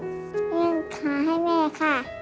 เรียนขาให้แม่ค่ะ